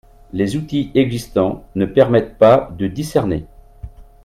Les outils existants ne permettent pas de discerner.